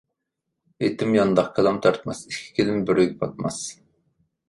ئېتىم يانداق، كالام تارتماس، ئىككى كېلىن بىر ئۆيگە پاتماس.